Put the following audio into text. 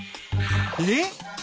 えっ！